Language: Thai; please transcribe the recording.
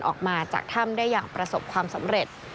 ออกมาจากถ้ำได้อย่างประสบความสำเร็จ